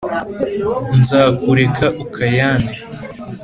nzakureka ukayane